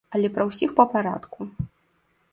Але пра ўсіх па парадку.